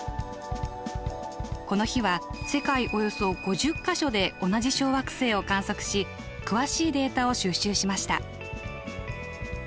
およそ５０か所で同じ小惑星を観測し詳しいデータを収集しました。